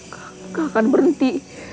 tidak akan berhenti